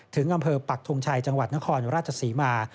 ถึงอำเภอปักทงชัยจังหวัดนครราชศรีมา